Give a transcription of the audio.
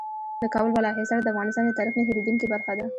د کابل بالا حصار د افغانستان د تاریخ نه هېرېدونکې برخه ده.